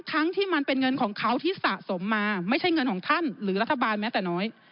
ทั้งที่มันเป็นเงินของเขาที่สะสมมาไม่ใช่เงินของท่านหรือรัฐบาลแม้แต่น้อย